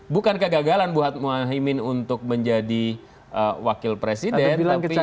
bukan kegagalan buat mohaimin untuk menjadi wakil presiden